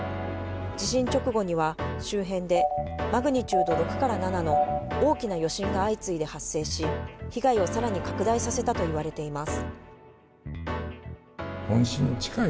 地震直後には周辺でマグニチュード６から７の大きな余震が相次いで発生し、被害をさらに拡大させたといわれています。